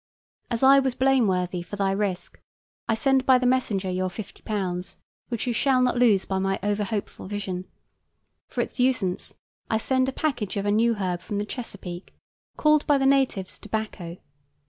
As I was blameworthy for thy risk, I send by the messenger your £50, which you shall not lose by my over hopeful vision. For its usance I send a package of a new herb from the Chesapeake, called by the natives tobacco.